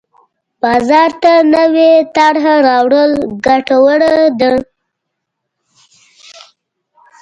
بازار ته نوې طرحه راوړل ګټوره ده.